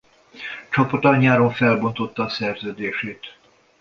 Csapata nyáron felbontotta a szerződését.